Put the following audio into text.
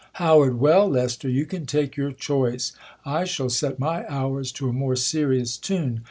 How, Well, Lester, you can take your choice. I shall set my hours to a more serious tune.